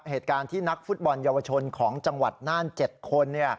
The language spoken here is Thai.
เหตุการณ์ที่นักฟุตบอลเยาวชนของจังหวัดน่าน๗คน